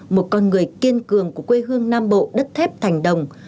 một con người kiên cường của quê hương nam bộ đất thép thành đồng